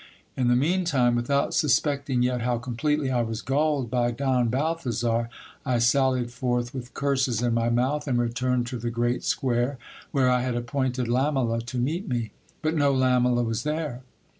In the mean time, without suspecting yet how completely I was gulled by Don Balthazar, I sallied forth with curses in my mouth, and returned to the great square, where I had appointed Lamela to meet me. But no Lamela was there.